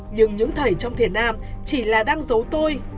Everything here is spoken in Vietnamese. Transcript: nhưng những thầy trong thiền nam chỉ là đang giấu tôi